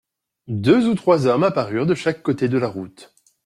Deux ou trois hommes apparurent de chaque côté de la route.